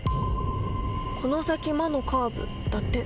この先「魔のカーブ」だって。